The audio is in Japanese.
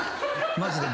マジで。